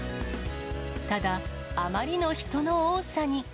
ただ、あまりの人の多さに。